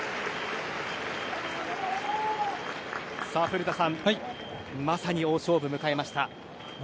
古田さん、まさに大勝負迎えました。